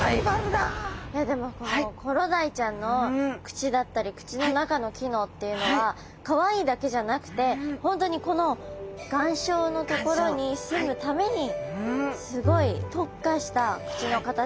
でもこのコロダイちゃんの口だったり口の中の機能っていうのはかわいいだけじゃなくて本当にこの岩礁の所にすむためにすごい特化した口の形だったり生活だったんですね。